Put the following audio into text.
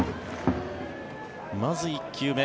まず、１球目。